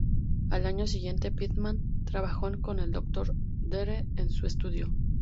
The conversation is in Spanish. Al año siguiente, Pitman trabajó con Dr. Dre en su estudio.